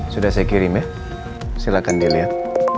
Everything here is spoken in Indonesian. sudah saya kirim ya silahkan di lihat